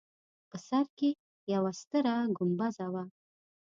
په سر کې یوه ستره ګومبزه ده.